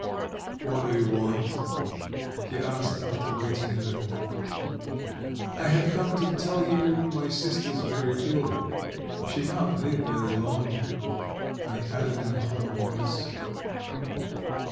"What do you want?" he asked, after waiting a little. "I have come to tell you my sister's very ill. She can't live very long," I added in a hollow voice.